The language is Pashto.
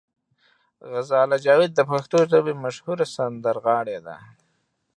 غزاله جاوید د پښتو ژبې مشهوره سندرغاړې ده.